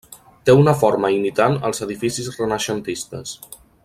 Té una forma imitant els edificis renaixentistes.